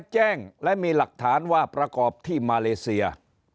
แจ้งและมีหลักฐานว่าประกอบที่มาเลเซีย